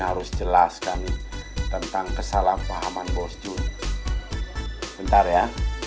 harus jelaskan tentang kesalahpahaman bos jun bentar ya